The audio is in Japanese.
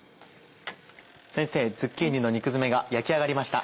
先生ズッキーニの肉詰めが焼き上がりました。